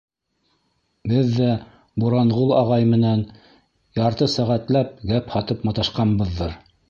Беҙ ҙә Буранғол ағай менән ярты сәғәтләп гәп һатып маташҡанбыҙҙыр.